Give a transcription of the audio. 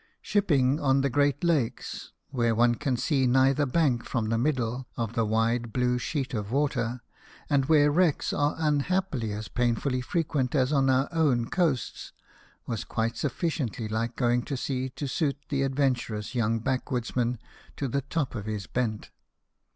Shipping on the great lakes, w lere one can see neither bank from the middle of the wide blue sheet of water, and where wrecks are unhappily as painfully frequent as on our own ccasts, was quite sufficiently like going to sea to suit the adventurous young backwoodsman to the top of his bent.